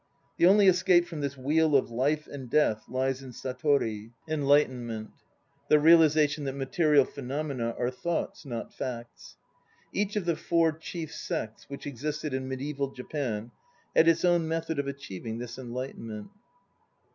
The only escape from this "Wheel of Life and Death" lies in satori, lit. njiM iit," the realization that material phenomena are thoughts, not facts. Each of the four chief sects which existed in medieval Japan had its own method of achieving this Enlightenment.